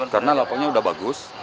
karena lapangnya udah bagus